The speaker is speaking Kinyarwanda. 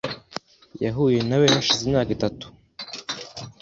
Yahuye nawe hashize imyaka itatu .